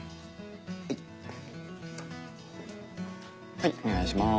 はいお願いします。